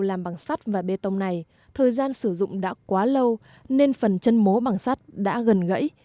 làm bằng sắt và bê tông này thời gian sử dụng đã quá lâu nên phần chân mố bằng sắt đã gần gũi